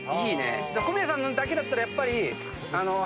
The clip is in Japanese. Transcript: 小宮さんのだけだったらやっぱり幅広過ぎて。